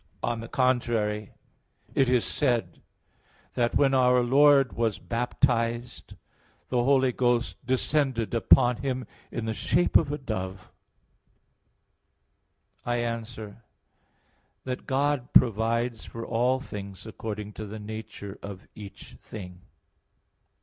On the contrary, It is said (Matt. 3:16) that, when our Lord was baptized, the Holy Ghost descended upon Him in the shape of a dove. I answer that, God provides for all things according to the nature of each thing.